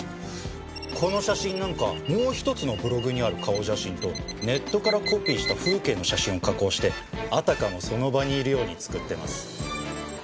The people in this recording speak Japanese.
この写真なんかもう１つのブログにある顔写真とネットからコピーした風景の写真を加工してあたかもその場にいるように作ってます。